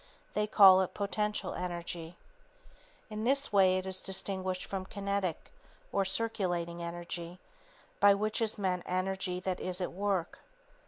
They call it potential energy. In this way it is distinguished from kinetic or circulating energy by which is meant energy that is at work.